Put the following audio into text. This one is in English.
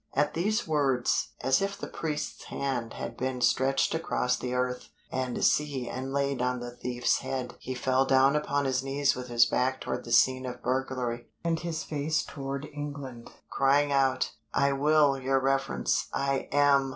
At these words, as if the priest's hand had been stretched across the earth and sea and laid on the thief's head, he fell down upon his knees with his back toward the scene of burglary and his face toward England, crying out, "I will, your reverence. I am!